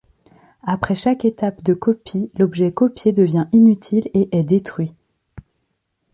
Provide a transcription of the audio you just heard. Après chaque étape de copie l'objet copié devient inutile et est détruit.